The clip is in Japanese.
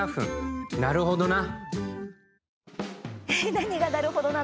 何がなるほどな！